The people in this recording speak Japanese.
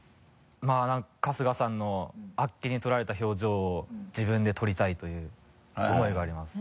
まぁ何か春日さんのあっけにとられた表情を自分でとりたいという思いがあります。